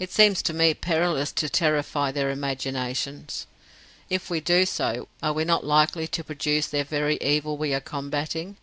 It seems to me perilous to terrify their imaginations. If we do so, are we not likely to produce the very evil we are combating?